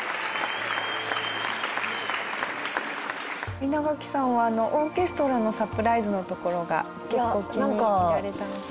稲垣さんはオーケストラのサプライズのところが結構気に入られたみたい。